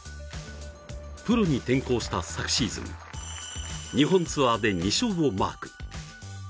プロに転向した昨シーズン日本ツアーで２勝をマーク。